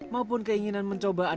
maupun keinginan menikmati perusahaan